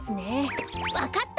わかった！